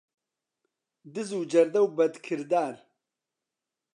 دز و جەردە و بەدکردار